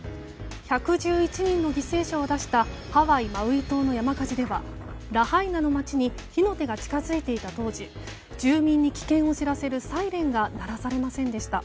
１１１人の犠牲者を出したハワイ・マウイ島の山火事ではラハイナの町に火の手が近づいていた当時住民に危険を知らせるサイレンが鳴らされませんでした。